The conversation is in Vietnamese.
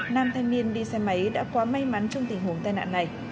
nam thanh niên đi xe máy đã quá may mắn trong tình huống tai nạn này